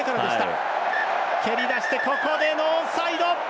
蹴りだしてここでノーサイド。